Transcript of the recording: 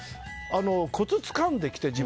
コツつかんできて。